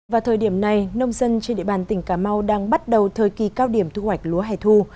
vào thời điểm này nông dân trên địa bàn tỉnh cà mau đang bắt đầu thời kỳ cao điểm thu hoạch lúa hẻ thu